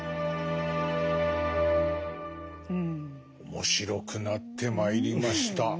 面白くなってまいりました。